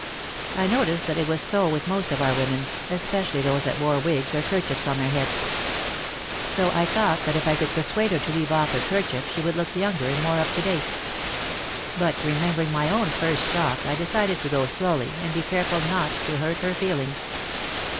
I noticed that it was so with most of our women, espe cially those that wore wigs or kerchiefs on their heads. So I thought that if I could persuade her to leave off OUT OF THE SHADOW 153 her kerchief she would look younger and more up to date. But remembering my own first shock, I decided to go slowly and be careful not to hurt her feelings.